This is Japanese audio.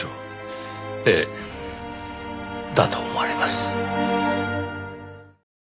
だと思われます。